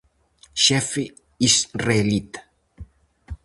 Xefe israelita.